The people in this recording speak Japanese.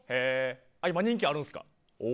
今、人気あるんですか。